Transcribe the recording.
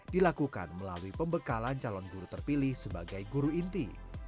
dilakukan melalui pembekalan calon guru terpilih sebagai guru inti